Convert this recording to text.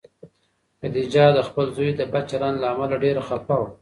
خدیجه د خپل زوی د بد چلند له امله ډېره خفه وه.